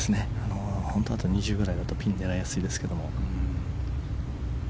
本当だと２０ぐらいだとピン狙いやすいですが。